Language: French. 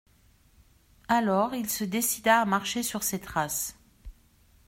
Alors il se décida à marcher sur ses traces.